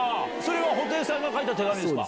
布袋さんが書いた手紙ですか？